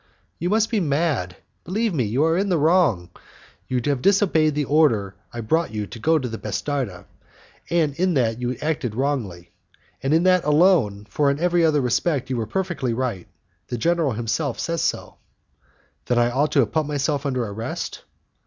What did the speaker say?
"You must be mad; believe me, you are in the wrong. You have disobeyed the order I brought you to go to the 'bastarda; in that you have acted wrongly, and in that alone, for in every other respect you were perfectly right, the general himself says so." "Then I ought to have put myself under arrest?"